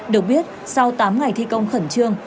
được biết sau tám ngày thi công khẩn trương